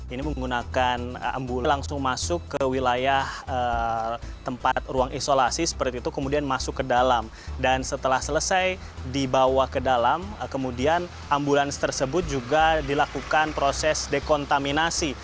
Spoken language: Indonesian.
ini menggunakan langsung masuk ke wilayah tempat ruang isolasi seperti itu kemudian masuk ke dalam dan setelah selesai dibawa ke dalam kemudian ambulans tersebut juga dilakukan proses dekontaminasi